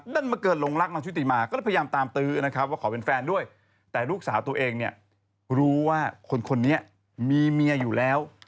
ดันมาเกิดหลงรักนางชุติมาก็เลยพยายามตามตื้อนะครับว่าขอเป็นแฟนด้วยแต่ลูกสาวตัวเองเนี่ยรู้ว่าคนนี้มีเมียอยู่แล้ว